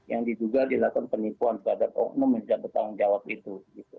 yang diduga dilakukan penipuan terhadap oknum yang bertanggung jawab itu